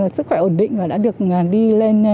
sức khỏe ổn định và đã được đi lên